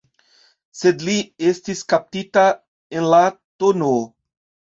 Sed li estis kaptita en la tn.